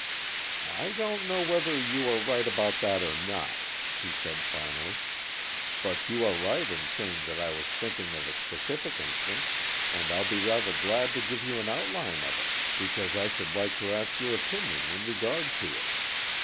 "I don't know whether you are right about that or not," he said finally, "but you are right in saying that I was thinking of a specific instance, and I'll be rather glad to give you an outline of it, because I should like to ask your opinion in regard to it.